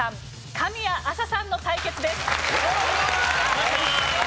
神谷明采さんの対決です。